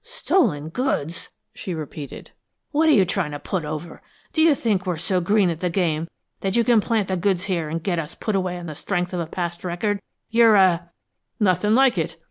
"Stolen goods!" she repeated. "What are you tryin' to put over? Do you think we're so green at the game that you can plant the goods here an' get us put away on the strength of a past record? You're a " "Nothing like it!"